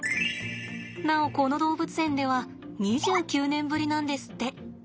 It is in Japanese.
なおこの動物園では２９年ぶりなんですって。